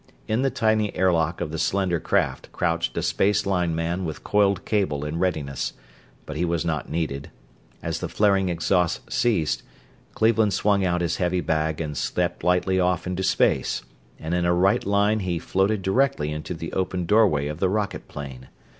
In the tiny airlock of the slender craft crouched a space line man with coiled cable in readiness, but he was not needed. As the flaring exhausts ceased Cleveland swung out his heavy bag and stepped lightly off into space, and in a right line he floated directly into the open doorway of the rocket plane.